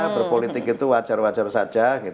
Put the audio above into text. berpolitik itu wajar wajar saja